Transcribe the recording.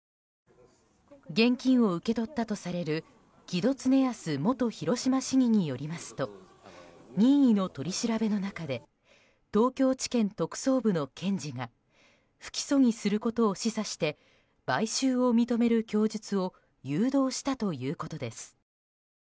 現金を受け取ったとされる木戸経康元広島市議によりますと任意の取り調べの中で東京地検特捜部の検事が不起訴にすることを示唆して買収を認める供述を誘導したということです。